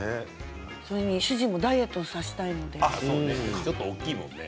それに主人もダイエットさせたいので。